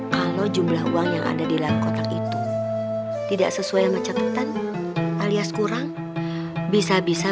kalau jumlah uang yang ada di dalam kotak itu tidak sesuai sama catatan alias kurang bisa bisa